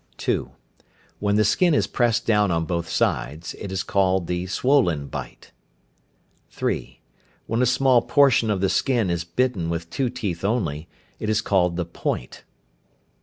(2). When the skin is pressed down on both sides, it is called the "swollen bite." (3). When a small portion of the skin is bitten with two teeth only, it is called the "point."